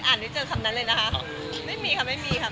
ก็หลายคนจริงกับคงเชียร์ใครก็ได้เนอะ